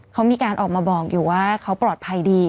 เขามีการออกมาบอกอยู่ว่าเขาปลอดภัยดี